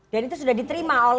dan itu sudah diterima oleh